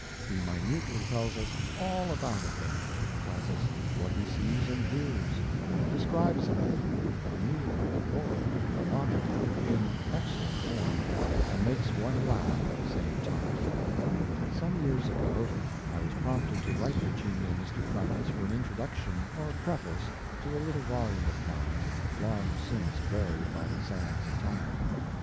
He minutely tells us all about a thing, tells us what he sees and hears, describes a man, a mule or a monarchy in excellent form, and makes one laugh at the same time. Some years ago I was prompted to write the genial Mr. Clemens for an introduction or preface to a little volume of mine, long since buried by the sands of time.